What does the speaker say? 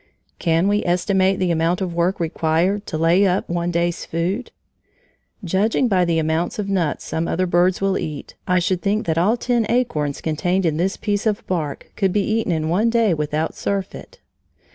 Can we estimate the amount of work required to lay up one day's food? Judging by the amount of nuts some other birds will eat, I should think that all ten acorns contained in this piece of bark could be eaten in one day without surfeit.